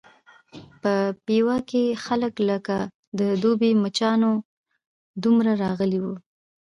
په پېوه کې خلک لکه د دوبي مچانو دومره راغلي وو.